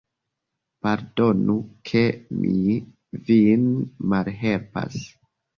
Pardonu, ke mi vin malhelpas.